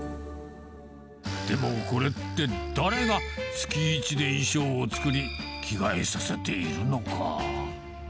でも、これって誰が月一で衣装を作り、着替えさせているのか？